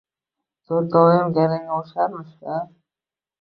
To‘rttoviyam garangga o‘xsharmish a.